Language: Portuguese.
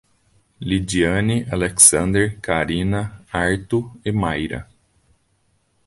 Lidiane, Alexander, Carina, Artu e Mayra